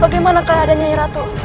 bagaimana keadaannya nyai ratu